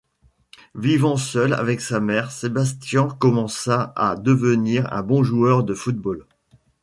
Vivant seul avec sa mère, Sebastian commença à devenir un bon joueur de football.